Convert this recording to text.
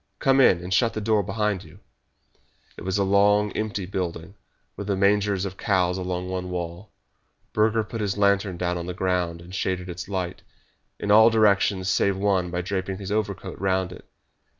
Come in, and shut the door behind you." It was a long, empty building, with the mangers of the cows along one wall. Burger put his lantern down on the ground, and shaded its light in all directions save one by draping his overcoat round it.